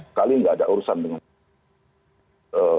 sekali nggak ada urusan dengan